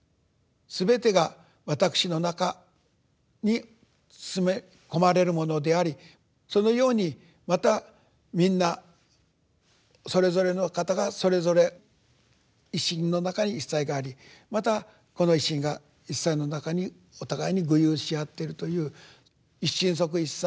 すべてがわたくしの中に詰め込まれるものでありそのようにまたみんなそれぞれの方がそれぞれ一身の中に一切がありまたこの一身が一切の中にお互いに具有しあってるという「一身即一切」